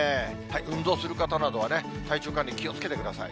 運動する方などはね、体調管理、気をつけてください。